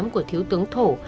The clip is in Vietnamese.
của thiếu tướng thổ